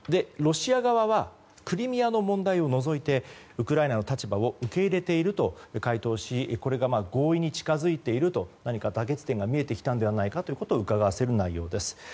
ロシア側はクリミアの問題を除いてウクライナの立場を受け入れていると回答しこれが合意に近づいていると何か妥結点が見えてきたのではないかとうかがわせる内容です。